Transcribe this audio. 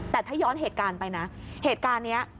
แต่ถ้าย้อนเหตุการณ์ไปนะเหตุการณ์นี้